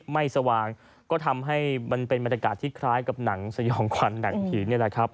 ไม่สว่างก็ทำให้มันเป็นบรรยากาศที่คล้ายกับหนังสยองควันหนังหีน